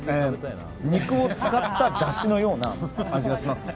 肉を使っただしのような味がしますね。